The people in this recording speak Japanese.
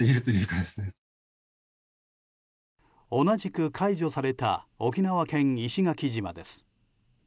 同じく解除された沖縄県石垣島です。